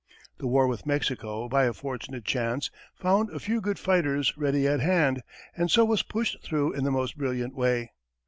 The war with Mexico, by a fortunate chance, found a few good fighters ready at hand, and so was pushed through in the most brilliant way.